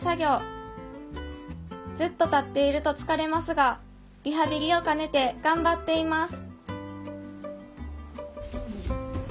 ずっと立っていると疲れますがリハビリを兼ねて頑張っています